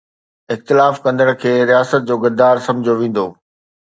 اختلاف ڪندڙ کي رياست جو غدار سمجهيو ويندو